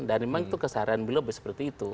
dan memang itu kesaharian beliau seperti itu